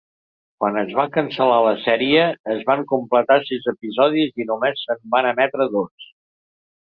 Quan es va cancel·lar la sèrie, es van completar sis episodis i només se'n van emetre dos.